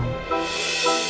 masa depan kamu